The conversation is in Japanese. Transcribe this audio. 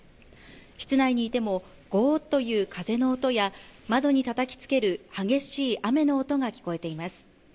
室内にいてもゴーッという風の音や窓にたたきつける激しい雨の音が聞こえています